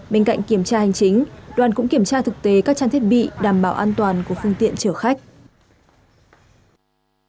bên cạnh kiểm tra hành chính đoàn cũng kiểm tra thực tế các trang thiết bị đảm bảo an toàn của phương tiện chở khách